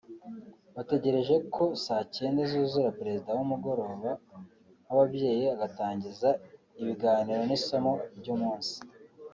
bategereje ko saa cyenda zuzura Perezida w’umugoroba w’ababyeyi agatangiza ibiganiro n’isomo ry’umunsi